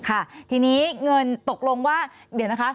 ค่ะทีนี้เงินตกลงว่าเดี๋ยวนะคะ